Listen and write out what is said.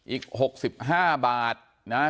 อีก๖๕บาทนะฮะ